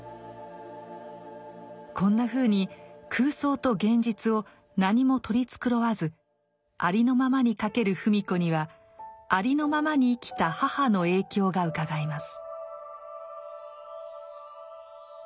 こんなふうに空想と現実を何も取り繕わずありのままに書ける芙美子にはありのままに生きた母の影響がうかがえます。